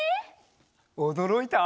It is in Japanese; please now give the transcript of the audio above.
おどろいた？